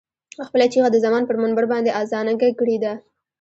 خپله چيغه د زمان پر منبر باندې اذانګه کړې ده.